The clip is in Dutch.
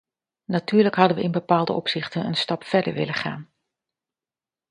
Natuurlijk hadden we in bepaalde opzichten een stap verder willen gaan.